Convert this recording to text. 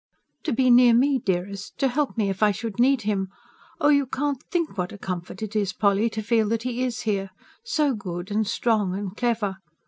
"To be near me, dearest, to help me if I should need him. Oh, you can't think what a comfort it is, Polly, to feel that he IS here so good, and strong, and clever!